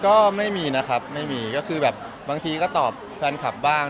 ก็ไม่มีนะครับไม่มีก็คือแบบบางทีก็ตอบแฟนคลับบ้าง